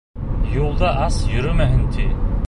Юлда ас йөрөмәһен, ти.